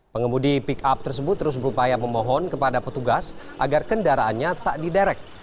pengemudi pick up tersebut terus berupaya memohon kepada petugas agar kendaraannya tak diderek